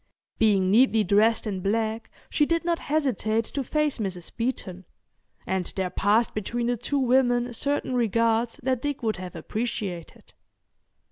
Being neatly dressed in black she did not hesitate to face Mrs. Beeton, and there passed between the two women certain regards that Dick would have appreciated.